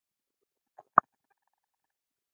په افغانستان کې د ښوونکي ورځ په ډیر درنښت لمانځل کیږي.